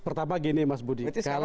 pertama gini mas budi